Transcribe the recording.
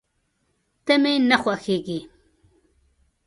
ته مي نه خوښېږې !